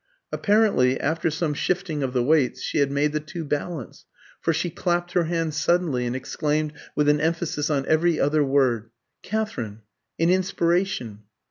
Apparently, after some shifting of the weights, she had made the two balance, for she clapped her hands suddenly, and exclaimed, with an emphasis on every other word "Katherine! An inspiration!